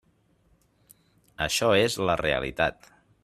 Això és la realitat.